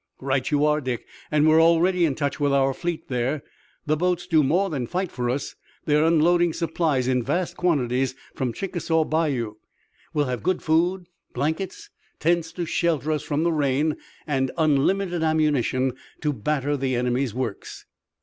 "Right you are, Dick, and we're already in touch with our fleet there. The boats do more than fight for us. They're unloading supplies in vast quantities from Chickasaw Bayou. We'll have good food, blankets, tents to shelter us from the rain, and unlimited ammunition to batter the enemy's works."